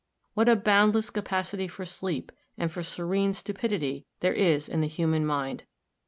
What a boundless capacity for sleep, and for serene stu pidity, there is in the human mind